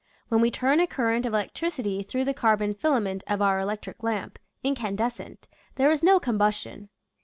When we turn a current of electricity through the carbon filament of our electric lamp (incandescent) there is no combustion.